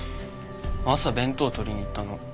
朝弁当取りに行ったの。